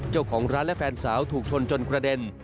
เจ้าของร้านและแฟนสาวถูกชนจนกระเด็น